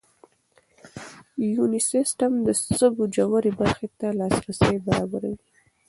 یوني سیسټم د سږو ژورې برخې ته لاسرسی برابروي.